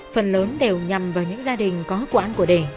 phần lớn đều nhằm vào những gia đình có hức quả của đề